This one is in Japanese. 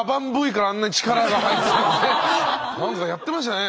何かやってましたね。